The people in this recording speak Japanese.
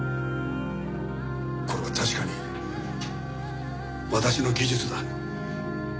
これは確かに私の技術だ。